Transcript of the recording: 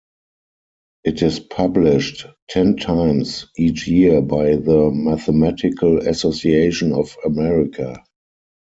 It is published ten times each year by the Mathematical Association of America.